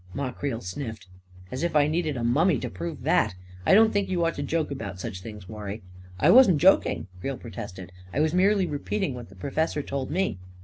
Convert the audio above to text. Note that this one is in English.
Ma Creel sniffed. " As if I needed a mummy to prove that ! I don't think you ought to joke about such things, War rie." " I wasn't joking," Creel protested. " I was merely repeating what the professor told me."